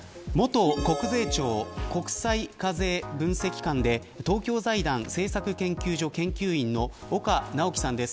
元国税庁国際課税分析官で東京財団政策研究所研究員の岡直樹さんです。